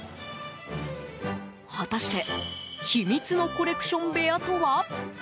果たして秘密のコレクション部屋とは？